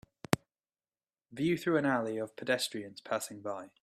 View through an alley of pedestrians passing by.